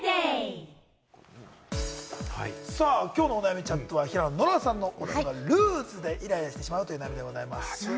きょうのお悩みチャットバは平野ノラさんの夫がルーズでイライラしてしまうというお悩みでございます。